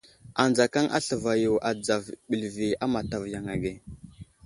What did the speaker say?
Anzakaŋ asləva yo adzav bəlvi a matavo yaŋ age.